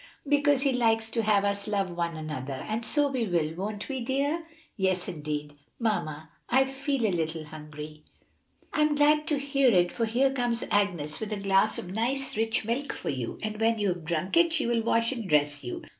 "Because he likes to have us love one another. And so we will, won't we, dear?" "Yes, indeed! Mamma, I feel a little hungry." "I'm glad to hear it, for here comes Agnes with a glass of nice rich milk for you. And when you have drunk it she will wash and dress you.